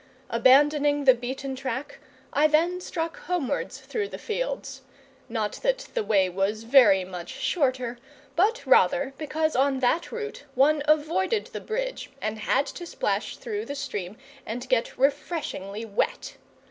Abandoning the beaten track, I then struck homewards through the fields; not that the way was very much shorter, but rather because on that route one avoided the bridge, and had to splash through the stream and get refreshingly wet.